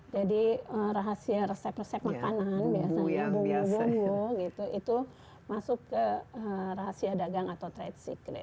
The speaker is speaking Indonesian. jadi rahasia resep resep makanan biasanya bumbu bumbu itu masuk ke rahasia dagang atau trade secret